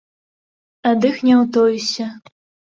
Ад іх не ўтоішся.